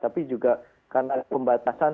tapi juga karena pembatasan